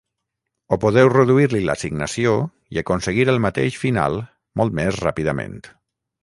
O podeu reduir-li l'assignació i aconseguir el mateix final molt més ràpidament.